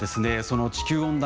その地球温暖化